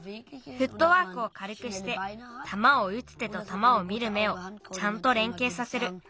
フットワークをかるくしてたまをうつ手とたまを見る目をちゃんとれんけいさせる。